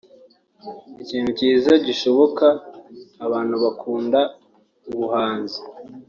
Ikintu cyiza gishoboka abantu bakunda ubuhanzi